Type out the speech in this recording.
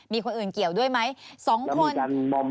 มีคนอื่นเกี่ยวด้วยไหม๒คน